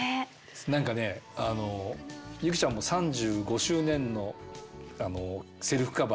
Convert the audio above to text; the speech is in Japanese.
何かね由貴ちゃんも３５周年のセルフカバーを出して。